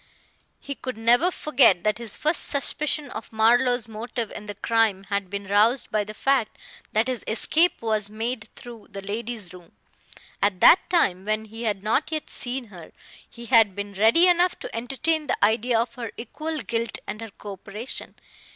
He could never forget that his first suspicion of Marlowe's motive in the crime had been roused by the fact that his escape was made through the lady's room. At that time, when he had not yet seen her, he had been ready enough to entertain the idea of her equal guilt and her coöperation.